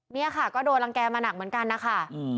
นี่ค่ะก็โดนรังแก่มาหนักเหมือนกันนะคะ